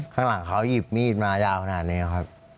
ข้างหลังเขาหยิบมีดมายาวขนาดนี้ครับ